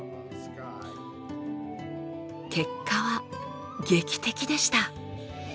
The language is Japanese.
結果は劇的でした。